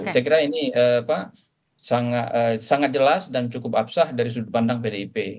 saya kira ini sangat jelas dan cukup absah dari sudut pandang pdip